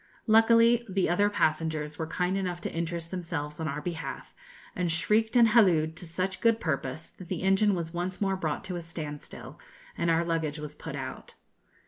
Luckily the other passengers were kind enough to interest themselves on our behalf, and shrieked and hallooed to such good purpose that the engine was once more brought to a standstill, and our luggage was put out.